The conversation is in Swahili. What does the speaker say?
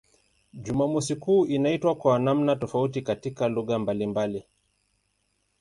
Jumamosi kuu inaitwa kwa namna tofauti katika lugha mbalimbali.